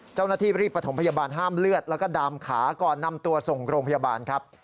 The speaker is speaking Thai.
เจ้าหน้าที่รีบประถมพยาบาลห้ามเลือดแล้วก็ดามขาก่อนนำตัวส่งโรงพยาบาลครับ